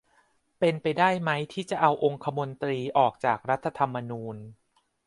เป็นไปได้ไหมที่จะเอาองคมนตรีออกจากรัฐธรรมนูญ